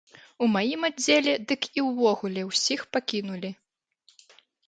У маім аддзеле дык і ўвогуле ўсіх пакінулі.